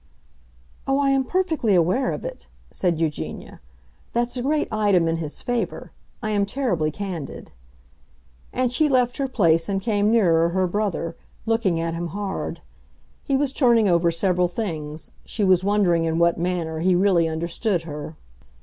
"Oh, I am perfectly aware of it," said Eugenia. "That's a great item in his favor. I am terribly candid." And she left her place and came nearer her brother, looking at him hard. He was turning over several things; she was wondering in what manner he really understood her.